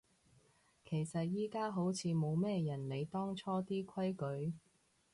其實而家好似冇咩人理當初啲規矩